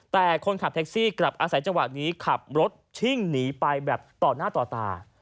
แต่คนขับแท็กซี่กลับอาศัยจังหวะนี้ขับรถชิ่งหนีไปแบบต่อหน้าต่อตา